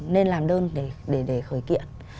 nên làm đơn để khởi kiện